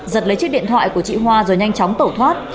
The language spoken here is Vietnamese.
giật lấy chiếc điện thoại của chị hoa rồi nhanh chóng tẩu thoát